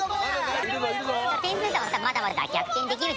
点数はまだまだ逆転できるッチ。